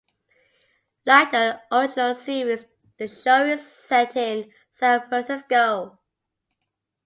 Like the original series, the show is set in San Francisco.